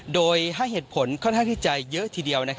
โดยให้เหตุผลค่อนข้างที่จะเยอะทีเดียว